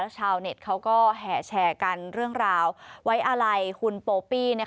ชาวเน็ตเขาก็แห่แชร์กันเรื่องราวไว้อาลัยคุณโปปี้